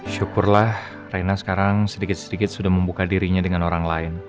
syukurlah reina sekarang sedikit sedikit sudah membuka dirinya dengan orang lain